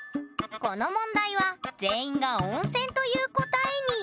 この問題は全員が「温泉」という答えに！